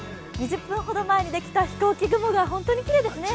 ２０分ほど前からできた飛行機雲がとってもきれいですね。